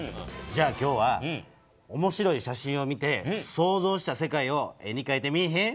じゃあ今日は面白い写真を見て想像した世界を絵にかいてみいひん？